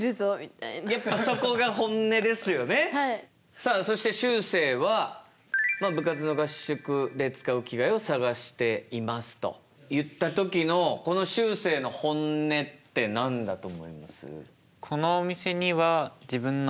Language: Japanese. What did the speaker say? さあそしてしゅうせいは「部活の合宿でつかう着がえをさがしています」と言った時のこのしゅうせいの本音って何だと思います？